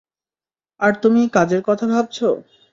আর তুমি কাজের কথা ভাবছো।